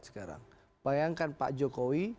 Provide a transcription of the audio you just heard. sekarang bayangkan pak jokowi